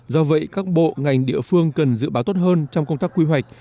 do vậy các bộ ngành địa phương cần dự báo tốt hơn trong công tác quy hoạch